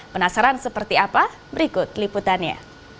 penasaran seperti apa berikut liputannya